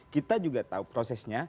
kita juga tahu prosesnya